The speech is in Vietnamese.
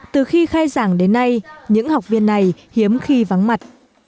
từ khi khai giảng đến nay những học viên này hiếm khi vắng mặt